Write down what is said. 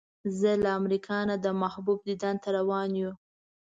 زه له امریکا نه د محبوب دیدن ته روان یو.